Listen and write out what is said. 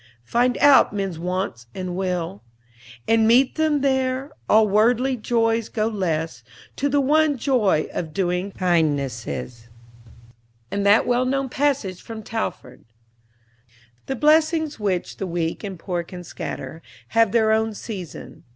Find out men's wants and will, And meet them there. All worldly joys go less To the one joy of doing kindnesses;" and that well known passage from Talfourd, "The blessings which the weak and poor can scatter, Have their own season.